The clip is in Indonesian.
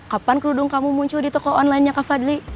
kapan kerudung kamu muncul di toko onlinenya kak fadli